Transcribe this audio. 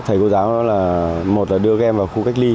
thầy cô giáo đó là một là đưa các em vào khu cách ly